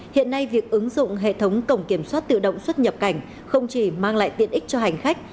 hiện nay việc ứng dụng hệ thống cổng kiểm soát tự động xuất nhập cảnh không chỉ mang lại tiện ích cho hành khách